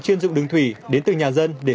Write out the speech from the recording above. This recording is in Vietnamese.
chuyên dụng đứng thủy đến từ nhà dân để